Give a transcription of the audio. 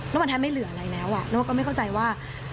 แล้ววันไทยไม่เหลืออะไรแล้วนกก็ไม่เข้าใจว่า